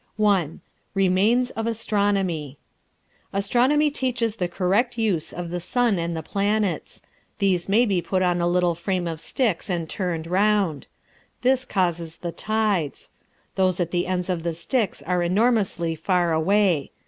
I. REMAINS OF ASTRONOMY Astronomy teaches the correct use of the sun and the planets. These may be put on a frame of little sticks and turned round. This causes the tides. Those at the ends of the sticks are enormously far away.